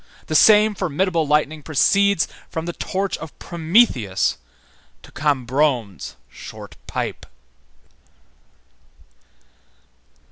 The same formidable lightning proceeds from the torch of Prometheus to Cambronne's short pipe.